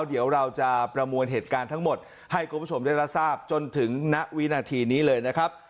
เดี๋ยวเราจะประมวลเหตุการณ์ทั้งหมดให้คุณผู้ชมได้รับทราบจนถึงณวินาทีนี้เลยนะครับ